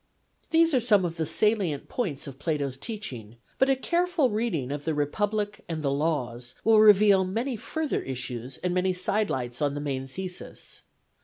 These are some of the salient points of Plato's teaching, but a careful reading of the Republic and the Laws will reveal many further issues and many side lights on the main thesis.